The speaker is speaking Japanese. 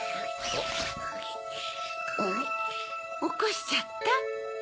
おこしちゃった？